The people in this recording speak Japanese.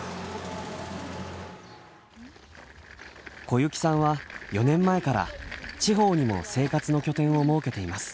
小雪さんは４年前から地方にも生活の拠点を設けています。